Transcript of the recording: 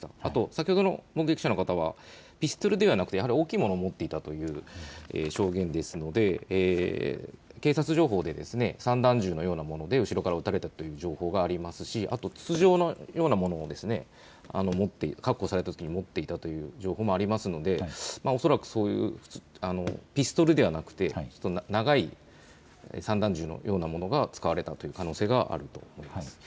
先ほどの目撃者の方はピストルではなく大きいものを持っていたという証言ですので警察情報で散弾銃のようなもので後ろから撃たれたという情報がありますし、筒状のようなものを確保されたときに持っていたという情報もありますので恐らくピストルではなくて長い散弾銃のようなものが使われたという可能性があると思います。